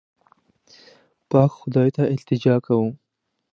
پاک خدای ته التجا کوم.